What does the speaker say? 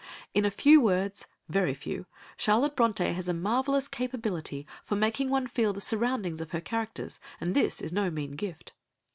In a few words, very few, Charlotte Brontë has a marvellous capability for making one feel the surroundings of her characters, and this is no mean gift.